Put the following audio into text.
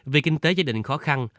vì kinh tế gia đình khó khăn